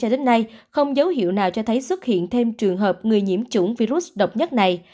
đến nay không dấu hiệu nào cho thấy xuất hiện thêm trường hợp người nhiễm chủng virus độc nhất này